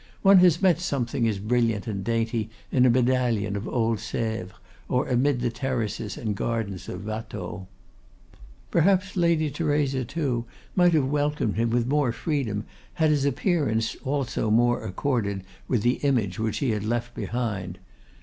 One has met something as brilliant and dainty in a medallion of old Sèvres, or amid the terraces and gardens of Watteau. Perhaps Lady Theresa, too, might have welcomed him with more freedom had his appearance also more accorded with the image which he had left behind.